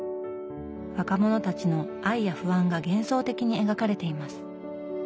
若者たちの愛や不安が幻想的に描かれています。